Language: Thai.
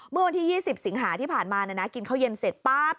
เมื่อวันที่๒๐สิงหาที่ผ่านมากินข้าวเย็นเสร็จปั๊บ